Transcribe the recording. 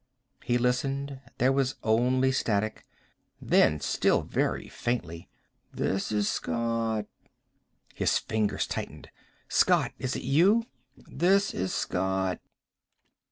He listened. There was only static. Then, still very faintly "This is Scott." His fingers tightened. "Scott! Is it you?" "This is Scott."